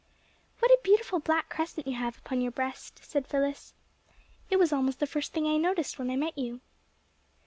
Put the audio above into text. "What a beautiful black crescent you have upon your breast," said Phyllis. "It was almost the first thing I noticed when I met you."